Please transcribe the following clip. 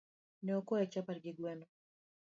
Nokwaye chapat gi gweno.